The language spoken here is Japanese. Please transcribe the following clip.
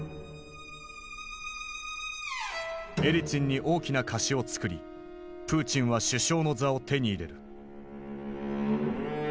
エリツィンに大きな貸しをつくりプーチンは首相の座を手に入れる。